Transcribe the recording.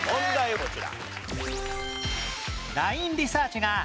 こちら。